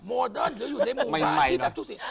โมเดิร์นหรืออยู่ในหมู่บ้านที่แบบทุกสิ่ง